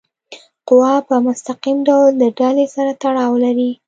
قوه په مستقیم ډول د ډلي سره تړاو لري.